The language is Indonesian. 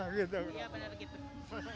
iya benar gitu